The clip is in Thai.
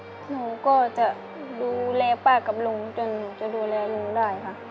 หนูก็จะดูแลป้ากับลุงจนหนูจะดูแลลุงได้ค่ะ